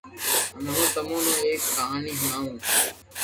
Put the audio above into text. ھمي ھو تمو نو ايڪ ڪھاني ھڻاووُ